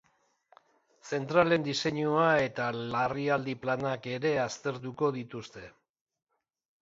Zentralen diseinua eta larrialdi planak ere aztertuko dituzte.